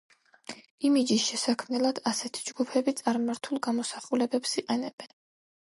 იმიჯის შესაქმნელად ასეთი ჯგუფები წარმართულ გამოსახულებებს იყენებენ.